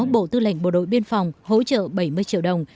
bộ tư lệnh bộ đội biên phòng hỗ trợ bảy mươi triệu đồng